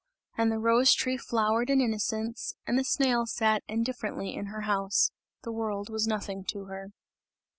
And the rose tree flowered in innocence, and the snail sat indifferently in her house. The world was nothing to her.